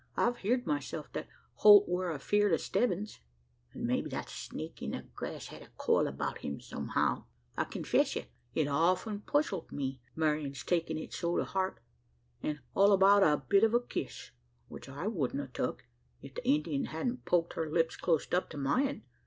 I've heerd myself that Holt war afeerd o' Stebbins; an' maybe that snake in the grass had a coil about him somehow. I confess ye, it often puzzled me, Marian's takin' it so to heart, an' all about a bit o' a kiss which I wudn't a tuk, if the Indian hadn't poked her lips clost up to myen.